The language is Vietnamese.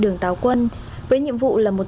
đường táo quân với nhiệm vụ là một